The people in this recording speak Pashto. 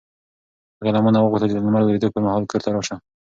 هغې له ما نه وغوښتل چې د لمر لوېدو پر مهال کور ته راشه.